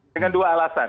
dengan dua alasan